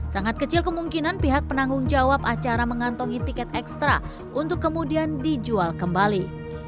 sangat kecil kemungkinan pihak penanggung jawab acara mengantongi tiket ekstra untuk kemudian dijual kembali